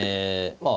まあ